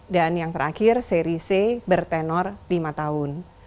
dan yang terakhir seri c bertenor lima tahun